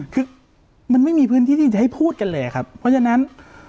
คือมันไม่มีพื้นที่ที่จะให้พูดกันเลยครับเพราะฉะนั้น